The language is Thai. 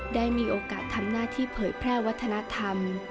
ได้มีโอกาสทำหน้าที่เผยแพร่วัฒนธรรม